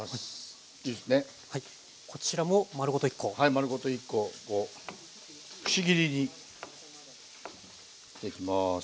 丸ごと１コをくし切りにしていきます。